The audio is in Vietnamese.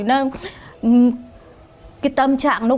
cái tâm trạng lúc ấy